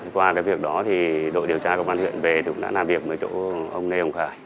qua cái việc đó thì đội điều tra công an huyện về cũng đã làm việc với chỗ ông lê hồng khải